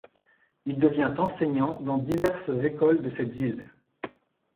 Il devient enseignant dans diverses écoles de cette ville.